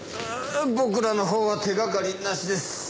僕らのほうは手掛かりなしです。